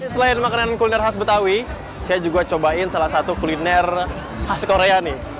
selain makanan kuliner khas betawi saya juga cobain salah satu kuliner khas korea nih